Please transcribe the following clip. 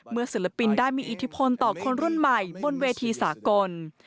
ศิลปินได้มีอิทธิพลต่อคนรุ่นใหม่บนเวทีสากล